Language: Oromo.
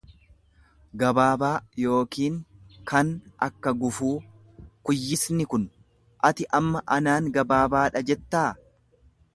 gabaabaa yookiin kan akka gufuu; Kuyyisni kun! Ati amma anaan gabaabaadha jettaa?